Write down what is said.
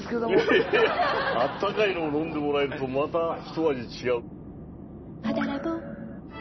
あったかいのも飲んでもらえるとまたひと味違う。